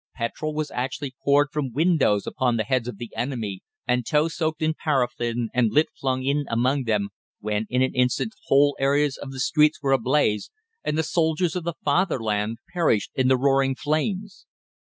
Petrol was actually poured from windows upon the heads of the enemy, and tow soaked in paraffin and lit flung in among them, when in an instant whole areas of the streets were ablaze, and the soldiers of the Fatherland perished in the roaring flames.